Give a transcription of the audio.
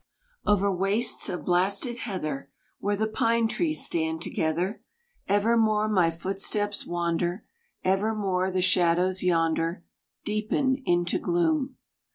Over wastes of blasted heather, Where the pine trees stand together, Evermore my footsteps wander, Evermore the shadows yonder Deepen into gloom.